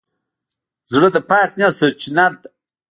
زړه د پاک نیت سرچینه ده.